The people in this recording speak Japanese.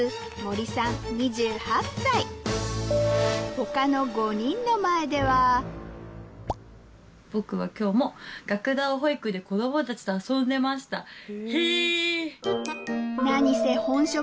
他の５人の前では「僕は今日も学童保育で子どもたちと遊んでました！」。へぇ！